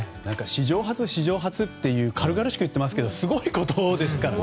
史上初、史上初って軽々しく言ってますけどすごいことですから。